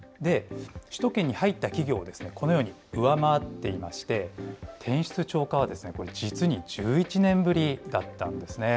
首都圏に入った企業をこのように上回っていまして、転出超過は実に１１年ぶりだったんですね。